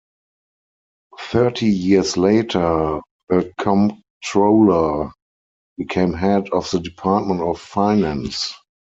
Thirty years later, the comptroller became head of the department of finance.